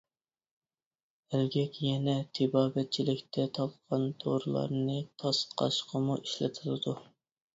ئەلگەك يەنە تېبابەتچىلىكتە تالقان دورىلارنى تاسقاشقىمۇ ئىشلىتىلىدۇ.